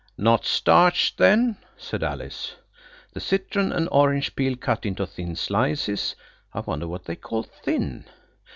'" "Not starched, then," said Alice. "'The citron and orange peel cut into thin slices'–I wonder what they call thin?